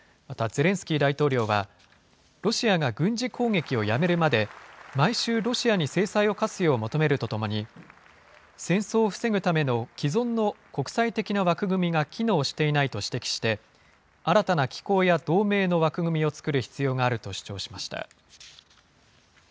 またゼレンスキー大統領は、ロシアが軍事攻撃をやめるまで、毎週、ロシアに制裁を科すよう求めるとともに、戦争を防ぐための既存の国際的な枠組みが機能していないと指摘して、新たな機構や同盟の枠組みを作る必要があると主張しました。